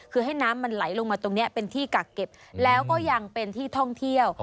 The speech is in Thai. คือให้น้ำมันไหลลงมาตรงนี้เป็นที่กักเก็บแล้วก็ยังเป็นที่ท่องเที่ยว